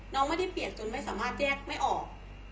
น้องไม่ได้เปลี่ยนจนไม่สามารถแยกไม่ออก